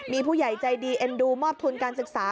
มีผู้ใหญ่ใจดีเอ็นดูมอบทุนการศึกษา